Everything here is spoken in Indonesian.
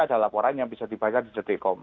ada laporan yang bisa dibaca di dtkom